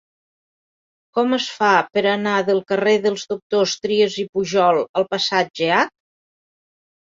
Com es fa per anar del carrer dels Doctors Trias i Pujol al passatge H?